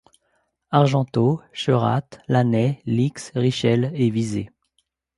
Argenteau, Cheratte, Lanaye, Lixhe, Richelle et Visé.